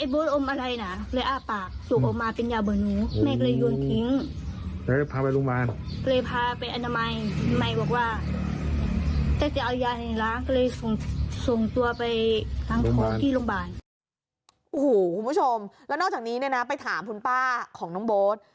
คุณผู้ชมแล้วนอกจากนี้ไปถามที่ป้าของน้องโบ๊ท